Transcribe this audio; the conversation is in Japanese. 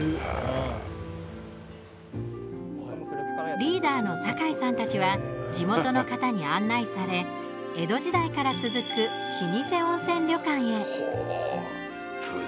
リーダーの酒井さんたちは地元の方に案内され江戸時代から続く老舗温泉旅館へ。